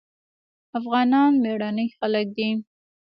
افغانان مېړني خلک دي.